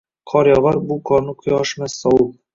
Qor yogʻar – bu qorni quyoshmas, sovib